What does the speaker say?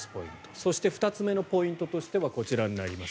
そして２つ目のポイントとしてはこちらになります。